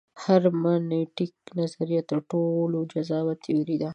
هرمنوتیک نظریه تر ټولو جذابه تیوري ده.